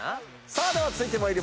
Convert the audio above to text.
では続いて参りましょう。